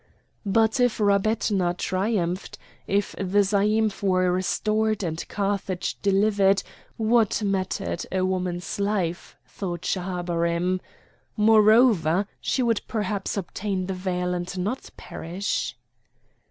But if Rabbetna triumphed, if the zaïmph were restored and Carthage delivered, what mattered a woman's life? thought Schahabarim. Moreover, she would perhaps obtain the veil and not perish.